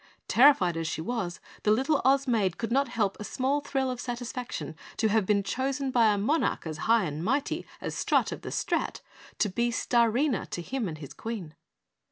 Terrified as she was, the little Oz Maid could not help a small thrill of satisfaction to have been chosen by a monarch as High and Mighty as Strut of the Strat, to be Starina to him and his Queen.